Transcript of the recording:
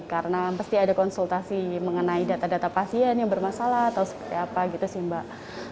karena pasti ada konsultasi mengenai data data pasien yang bermasalah atau seperti apa gitu sih mbak